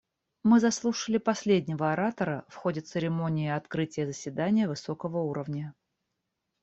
Мы заслушали последнего оратора в ходе церемонии открытия заседания высокого уровня.